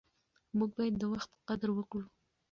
موږ باید د وخت قدر وکړو.